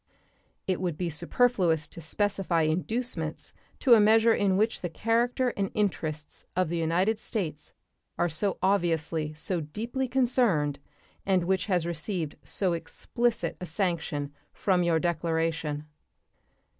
It would be superfluous to specify inducements to a measure in which the character and interests of the United States are so obviously so deeply concerned, and which has received so explicit a sanction from your declaration.